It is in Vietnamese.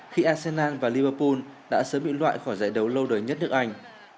khi arsenal và libapool đã sớm bị loại khỏi giải đấu lâu đời nhất nước anh